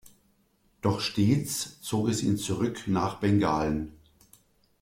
Doch stets zog es ihn zurück nach Bengalen.